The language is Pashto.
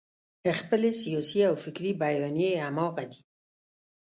خپلې سیاسي او فکري بیانیې همغه دي.